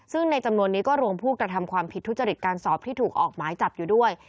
ซึ่งในจำนวนนี้ก็รวมผู้กระทำความผิดทุจริตการสอบที่ถูกออกหมายจับอยู่ด้วย